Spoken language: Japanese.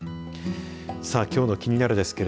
きょうのキニナル！ですが